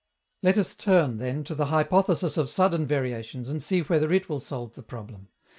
Let us turn, then, to the hypothesis of sudden variations, and see whether it will solve the problem.